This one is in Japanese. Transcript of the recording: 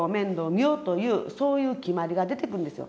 見ようというそういう決まりが出てくるんですよ。